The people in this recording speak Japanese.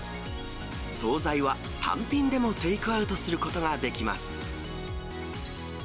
総菜は単品でもテイクアウトすることができます。